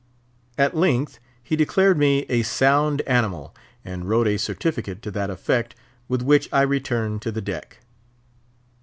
At length he declared me a sound animal, and wrote a certificate to that effect, with which I returned to the deck.